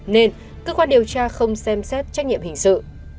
nên cơ quan điều tra không xem xét trách nhiệm hình sự